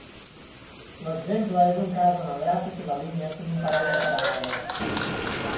L'exemple és un cas on el gràfic i la línia són un parell de paral·leles.